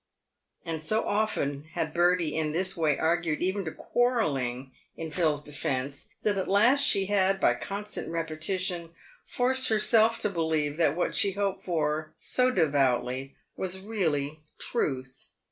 And so often had Bertie in this way argued, even to quarrelling, in Phil's defence, that at last she had, by constant repetition, forced herself to believe that what she hoped for so devoutly was really truth.